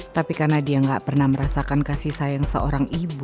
tapi karena dia gak pernah merasakan kasih sayang seorang ibu